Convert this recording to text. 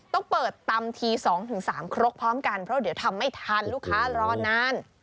ต้องเปิดตำที๒๓ครกพร้อมกันเพราะเดี๋ยวทำไม่ทันลูกค้ารอนาน